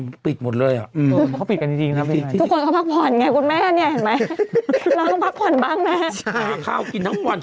หน้าเพิ่งหมอเสธเพิ่งยิงเลเซอร์ให้